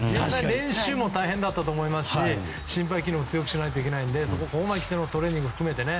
練習も大変だったと思いますし心肺機能を強くしないといけないのでトレーニング含めてね。